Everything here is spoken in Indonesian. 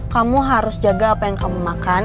kamu harus jaga apa yang kamu makan